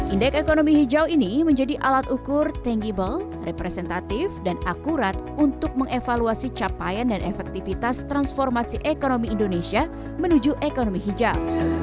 indeks ekonomi hijau ini menjadi alat ukur tangible representatif dan akurat untuk mengevaluasi capaian dan efektivitas transformasi ekonomi indonesia menuju ekonomi hijau